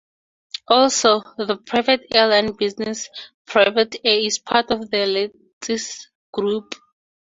Also, the private airline business PrivatAir is part of the Latsis Group.